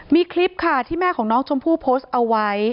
มีคลิปค่ะที่แม่ของน้องชมพู่โพสต์เอาไว้